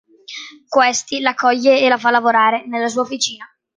Questi la accoglie e la fa lavorare nella sua officina.